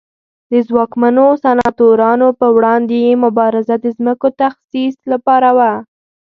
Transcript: د ځواکمنو سناتورانو پر وړاندې یې مبارزه د ځمکو تخصیص لپاره وه